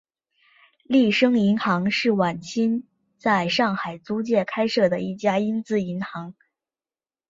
利升银行是晚清在上海租界开设的一家英资银行。